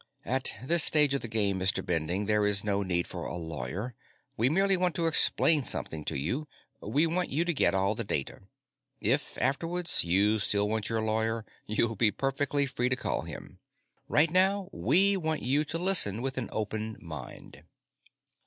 "At this stage of the game, Mr. Bending, there is no need for a lawyer. We merely want to explain something to you we want you to get all the data. If, afterwards, you still want your lawyer, you'll be perfectly free to call him. Right now, we want you to listen with an open mind."